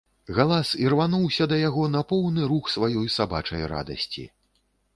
Галас ірвануўся да яго на поўны рух сваёй сабачай радасці.